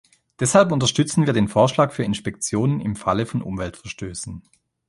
Deshalb unterstützen wir den Vorschlag für Inspektionen im Falle von Umweltverstößen.